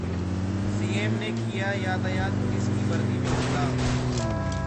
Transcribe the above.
CM ने किया यातायात पुलिस की वर्दी में बदलाव